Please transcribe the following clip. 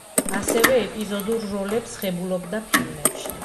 ასევე ეპიზოდურ როლებს ღებულობდა ფილმებში.